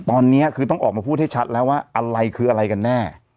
ตอนนี้คือต้องออกมาพูดให้ชัดแล้วว่าอะไรคืออะไรกันแน่